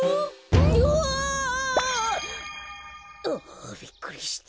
どわ！あびっくりした。